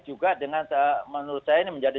juga dengan menurut saya ini menjadi